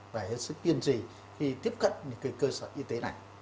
và hết sức kiên trì khi tiếp cận cơ sở y tế này